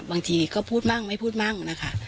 บางทีก็พูดมั่งไม่พูดมั่งนะคะ